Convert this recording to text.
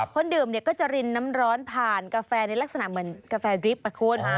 คนดื่มเนี่ยก็จะรินน้ำร้อนผ่านกาแฟในลักษณะเหมือนกาแฟดริปอะคุณ